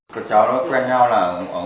các cháu nó quen nhau là